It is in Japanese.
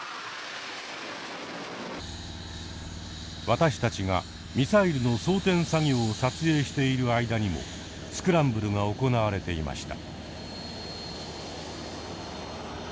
私たちがミサイルの装填作業を撮影している間にもスクランブルが行われていました。